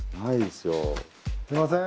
すみません。